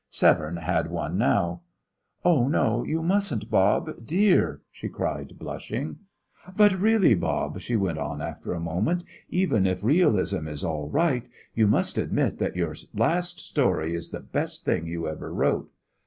Severne had one now. "Oh, no, you mustn't, Bob dear!" she cried, blushing. "But really, Bob," she went on, after a moment, "even if realism is all right, you must admit that your last story is the best thing you ever wrote."